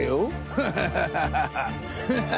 フハハハハハ！